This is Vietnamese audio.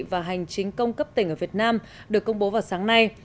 và hành chính công cấp tỉnh ở việt nam được công bố vào sáng nay